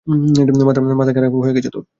মাথা খারাপ হয়ে গেছে তোর?